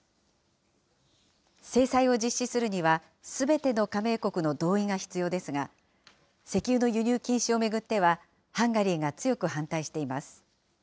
制裁を実施するには、すべての加盟国の同意が必要ですが、石油の輸入禁止を巡っては、ハンガリーが強く反対しています。